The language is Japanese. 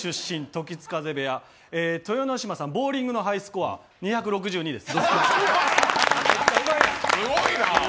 時津風部屋、豊ノ島さん、ボーリングのハイスコア２６２です。